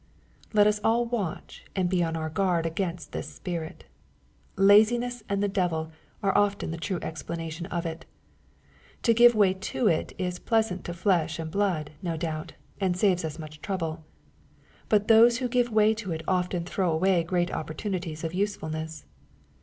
Let us all watch and be on our guard against this spirit. Laziness and the devil are often the true explanation of it. To give way to it is pleasant to flesh and blood, no doubt, and saves us much trouble. But those who give way to it often throw away great opportunities of usefulness.